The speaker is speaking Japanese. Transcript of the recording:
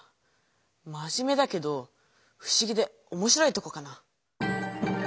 まじめだけどふしぎで面白いとこかな。